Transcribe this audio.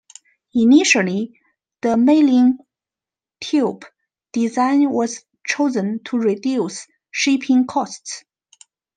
Initially, the mailing tube design was chosen to reduce shipping costs.